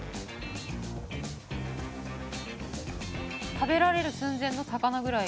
食べられる寸前の魚ぐらい。